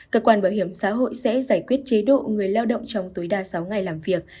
cơ quan bảo hiểm xã hội sẽ giải quyết chế độ người lao động trong tối đa sáu ngày làm việc